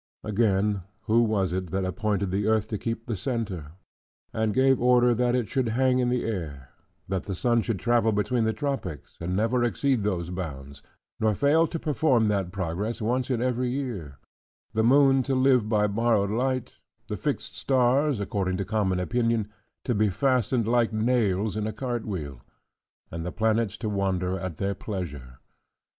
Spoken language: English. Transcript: Again, who was it that appointed the earth to keep the center, and gave order that it should hang in the air: that the sun should travel between the tropics, and never exceed those bounds, nor fail to perform that progress once in every year: the moon to live by borrowed light; the fixed stars (according to common opinion) to be fastened like nails in a cartwheel; and the planets to wander at their pleasure?